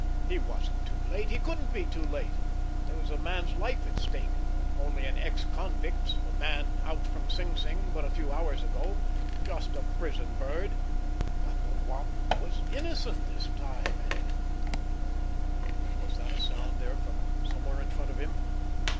He wasn't too late, he couldn't be too late—there was a man's life at stake: only an ex convict's, a man out from Sing Sing but a few hours ago. Just a prison bird! But the Wop was innocent this time and—— Was that a sound there from somewhere in front of him?